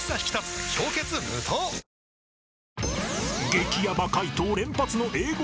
［激ヤバ解答連発の英語